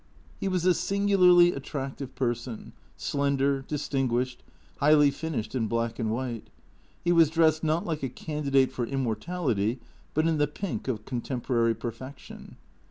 He was a singularly attractive person, slender, distinguished, highly finished in black and white. He was dressed, not like a candidate for immortality, but in the pink of contemporary perfection.